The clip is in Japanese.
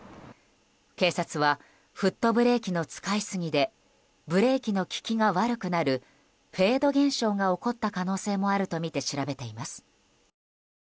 警察はフットブレーキの使い過ぎでブレーキの利きが悪くなるフェード現象が起こった可能性もあるとみて調べています。